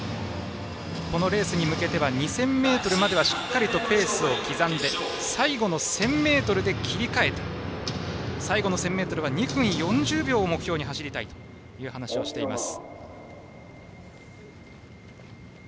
このレースに向けては２０００ｍまではしっかりとペースを刻んで最後の１０００ｍで切り替えて最後の１０００ｍは２分４０秒を目標に走りたいという話をしています。